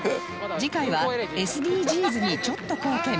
次回は ＳＤＧｓ にちょっと貢献